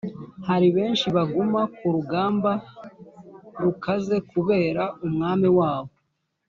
hari benshi baguma ku rugamba rukaze kubera umwami wabo